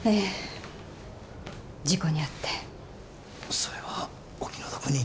それはお気の毒に。